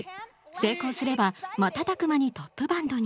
成功すれば瞬く間にトップバンドに。